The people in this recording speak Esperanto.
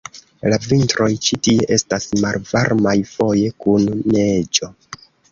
La vintroj ĉi tie estas malvarmaj, foje kun neĝo.